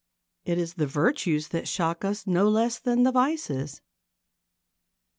It is the virtues that shock us no less than the vices.